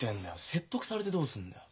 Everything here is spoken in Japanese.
説得されてどうすんだよ。